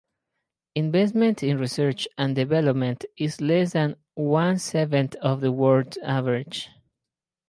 Investment in research and development is less than one-seventh of the world average.